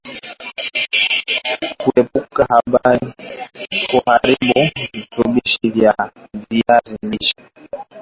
Kuepuka kuharibu virutubishi vya viazi lishe